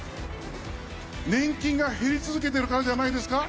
年金が減り続けてるからじゃないですか？